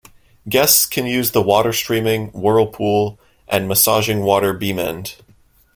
Guests can use the water streaming, whirlpool and massaging water beamand.